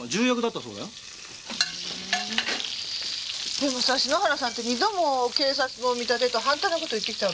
でもさ篠原さんって２度も警察の見立てと反対の事を言ってきたわけでしょ。